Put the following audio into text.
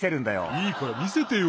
いいからみせてよ。